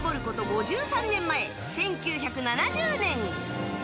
５３年前、１９７０年。